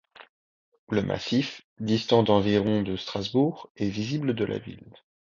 Le massif, distant d'environ de Strasbourg, est visible de la ville.